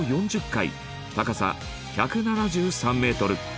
高さ１７３メートル。